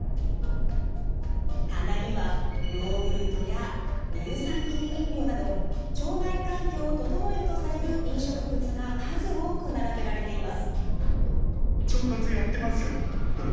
棚にはヨーグルトや乳酸菌飲料など腸内環境を整えるとされる飲食物が数多く並べられています。